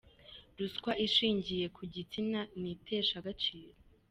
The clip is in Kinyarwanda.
Ruswa ishingiye ku gitsina ni iteshagaciro.